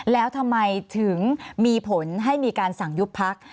แล้วทำไมถึงมีผลให้มีการสั่งยุบพัก